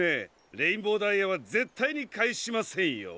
レインボーダイヤはぜったいにかえしませんよ。